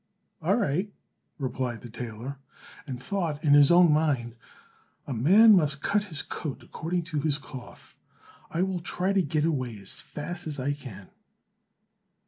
"All right," replied the tailor, and thought, in his own mind, "a man must cut his coat according to his cloth; I will try to get away as fast as I can."